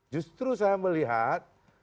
justru saya melihat